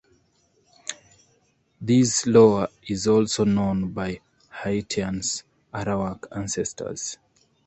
This loa is also known by the Haitians Arawak ancestors.